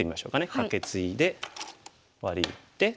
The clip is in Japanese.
カケツイでワリ打って。